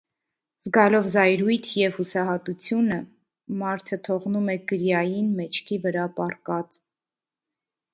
Զգալով զայրույթ և հուսահատությունը, մարդը թողնում է կրիային մեջքի վրա պառկած։